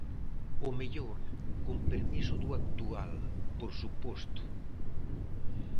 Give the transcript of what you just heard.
O mellor, con permiso do actual, por suposto.